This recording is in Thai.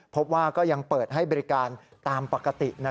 พบว่าก็ยังเปิดให้บริการตามปกติ